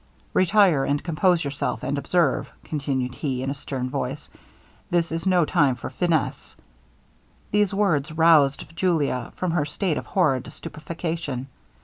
Retire and compose yourself; and observe,' continued he, in a stern voice, 'this is no time for finesse.' These words roused Julia from her state of horrid stupefaction.